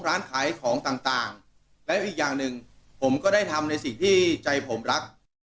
ร้านขายของต่างและอีกอย่างหนึ่งผมก็ได้ทำในสิ่งที่ใจผมรัก